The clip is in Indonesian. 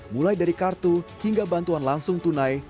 mulai dari kartu hingga bantuan langsung tunai